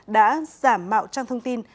đã giảm mạo trang thông tin